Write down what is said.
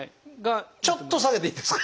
ちょっと下げていいですか？